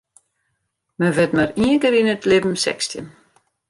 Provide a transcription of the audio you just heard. Men wurdt mar ien kear yn it libben sechstjin.